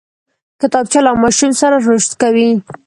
کتابچه له ماشوم سره رشد کوي